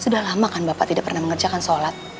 sudah lama kan bapak tidak pernah mengerjakan sholat